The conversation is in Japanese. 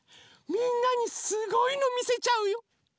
みんなにすごいのみせちゃうよ！